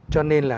cho nên là